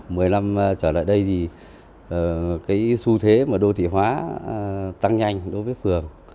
mười năm trở lại đây thì cái xu thế mà đô thị hóa tăng nhanh đối với phường